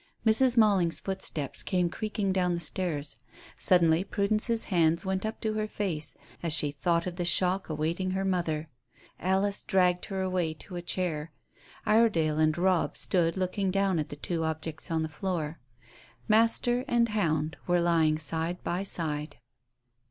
Mrs. Malling's footsteps came creaking down the stairs. Suddenly Prudence's hands went up to her face as she thought of the shock awaiting her mother. Alice dragged her away to a chair. Iredale and Robb stood looking down at the two objects on the floor. Master and hound were lying side by side.